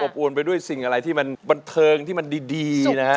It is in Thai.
อวนไปด้วยสิ่งอะไรที่มันบันเทิงที่มันดีนะฮะ